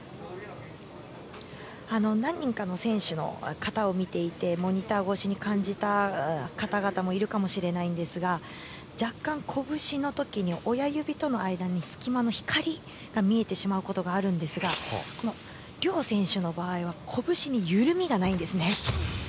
何人かの選手の形を見ていてモニター越しに感じた方々もいるかもしれないんですが若干、こぶしの時に親指との間に隙間の光が見えてしまうことがあるんですがこの諒選手の場合はこぶしに緩みがないんですね。